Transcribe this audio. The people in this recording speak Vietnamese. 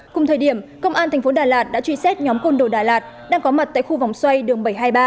cùng thời điểm công an thành phố đà lạt đã truy xét nhóm côn đồ đà lạt đang có mặt tại khu vòng xoay đường bảy trăm hai mươi ba